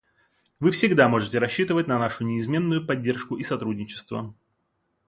Вы всегда можете рассчитывать на нашу неизменную поддержку и сотрудничество.